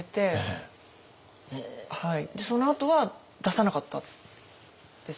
そのあとは出さなかったんですよね。